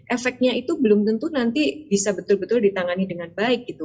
efeknya itu belum tentu nanti bisa betul betul ditangani dengan baik gitu